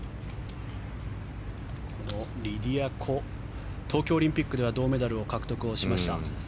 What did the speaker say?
リディア・コは東京オリンピックでは銅メダルを獲得をしました。